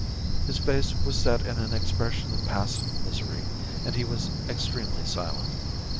His face was set in an expression of passive misery, and he was extremely silent.